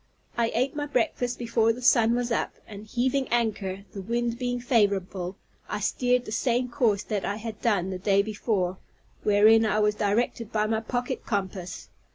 I ate my breakfast before the sun was up; and heaving anchor, the wind being favorable, I steered the same course that I had done the day before, wherein I was directed by my pocket compass.